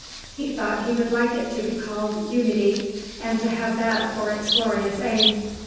He thought he would like it to be called Unity, and to have that for its glorious aim.